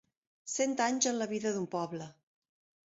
Cent anys en la vida d'un poble.